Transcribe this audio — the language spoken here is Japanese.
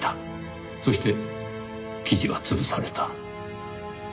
そして記事は潰された。